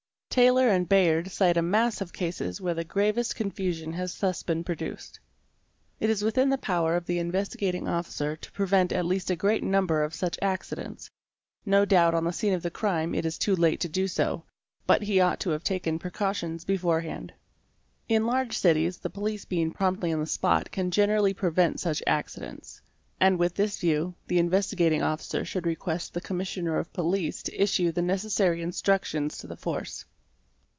Taylor & Bayard™" cite a mass of cases where the gravest confusion has © thus been produced 2 8), Jt is within the power of the Investigating Officer to prevent at least a great number of such accidents; no doubt on the scene of the crime it is too late to do so, but he ought to have taken precautions beforehand. | In large cities the police being promptly on the spot can generally prevent such accidents ; and with this view, the Investigating Officer should request the Commissioner of Police to issue the necessary instruc tions to the force.